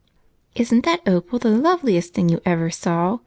"Isn't that opal the loveliest thing you ever saw?